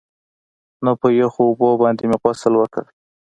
نو په يخو اوبو باندې مې غسل وکړ.